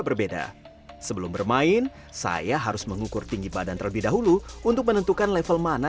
berbeda sebelum bermain saya harus mengukur tinggi badan terlebih dahulu untuk menentukan level mana